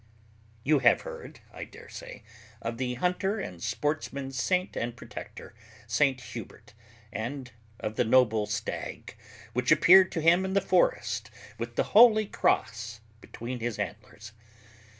_ You have heard, I dare say, of the hunter and sportsman's saint and protector, St. Hubert, and of the noble stag, which appeared to him in the forest, with the holy cross between his antlers.